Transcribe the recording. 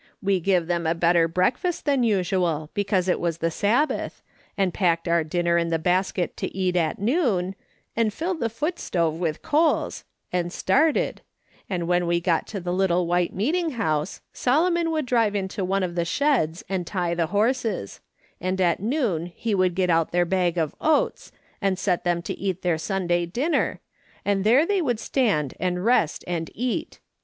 We give them a better breakfast than usual, because it was the Sab bath, and packed our dinner in the basket to eat at noon, and filled the foot stove with coals, and started, and when we got to the little white meeting house, Solomon would drive into one of the sheds and tie the horses ; and at noon he would get out their bag of oats, and set them to eat their Sunday dinner, and there they would stand and rest and eat.